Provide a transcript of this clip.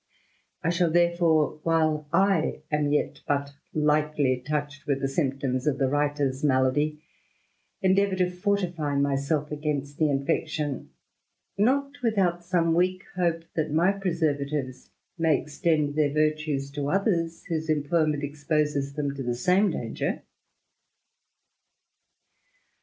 I shall, therefore, while I am yet but lightly touched with the symptoms of the writer's malady, endeavour to fortify myself against the infection, not without some weak hope that my preservatives may extend their virtues to others, whose employment exposes them to the same danger.